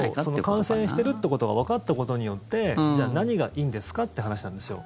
感染してるってことがわかったことによってじゃあ、何がいいんですかって話なんですよ。